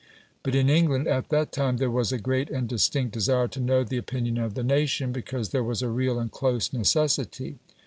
But in England at that time there was a great and distinct desire to know the opinion of the nation, because there was a real and close necessity.